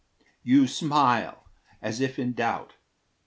You smile, as if in doubt.